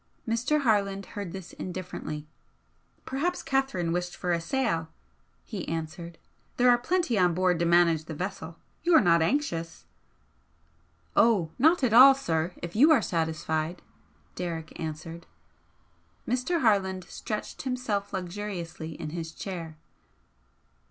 Mr. Harland heard this indifferently. "Perhaps Catherine wished for a sail," he answered. "There are plenty on board to manage the vessel. You're not anxious?" "Oh, not at all, sir, if you are satisfied," Derrick answered. Mr. Harland stretched himself luxuriously in his chair.